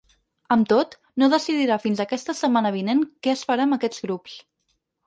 Amb tot, no decidirà fins aquesta setmana vinent què es farà amb aquests grups.